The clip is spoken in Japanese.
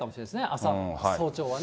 朝、早朝はね。